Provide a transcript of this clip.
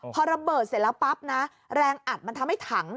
พอระเบิดเสร็จแล้วปั๊บนะแรงอัดมันทำให้ถัง